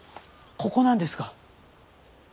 ここなんですが。